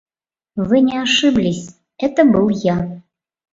Вы не ошиблись: это был я.